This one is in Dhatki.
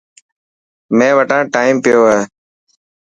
مين وٽان ٽائم پيو هي.